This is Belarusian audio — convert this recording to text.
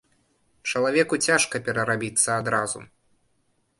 Чалавеку цяжка перарабіцца адразу.